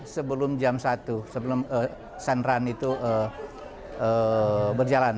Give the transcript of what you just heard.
sebelum jam satu sebelum sanrun itu berjalan